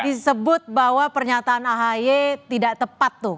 disebut bahwa pernyataan ahy tidak tepat tuh